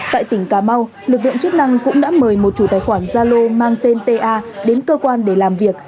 tại tỉnh cà mau lực lượng chức năng cũng đã mời một chủ tài khoản zalo mang tên ta đến cơ quan để làm việc